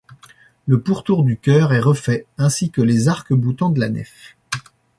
Le pourtour du chœur est refait ainsi que les arcs-boutants de la nef.